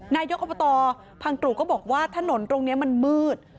นายกอบตพังตรู่ก็บอกว่าถนนตรงนี้มันมืด